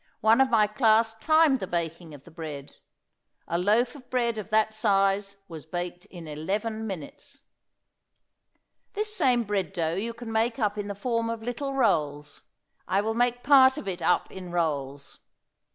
one of my class timed the baking of the bread. A loaf of bread of that size was baked in eleven minutes. This same bread dough you can make up in the form of little rolls. I will make part of it up in rolls.